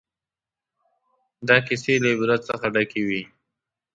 دا کیسې له عبرت څخه ډکې وې.